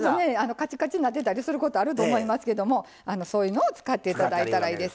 カチカチなってたりすることあると思いますけどもそういうのを使って頂いたらいいです。